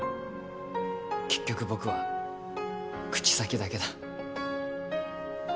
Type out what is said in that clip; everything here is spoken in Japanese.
結局僕は口先だけだ。